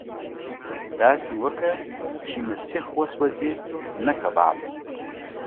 داسي وکه چې نه سيخ وسوځي نه کباب.